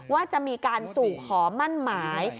ว่าจะมีการสู่ขอมั่นหมาย